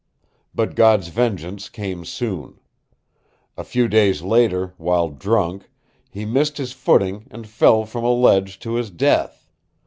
But God's vengeance came soon. "A few days later, while drunk, he missed his footing and fell from a ledge to his death.